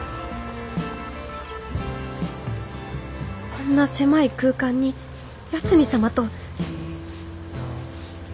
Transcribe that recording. こんな狭い空間に八海サマと！